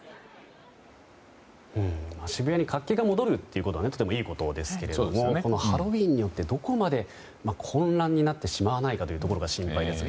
渋谷に活気が戻るというのはいいことですがハロウィーンによってどこまで混乱になってしまわないかが心配です。